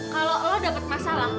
kalau lo dapet masalah